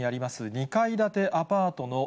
２階建てアパートのえ